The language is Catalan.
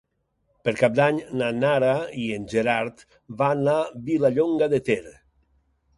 Per Cap d'Any na Nara i en Gerard van a Vilallonga de Ter.